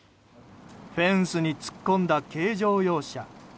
フェンスに突っ込んだ軽乗用車。